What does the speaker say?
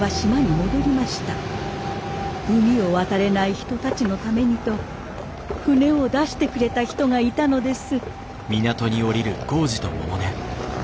海を渡れない人たちのためにと船を出してくれた人がいたのです。